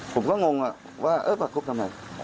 ผมก็งงว่าเออประคบทำไม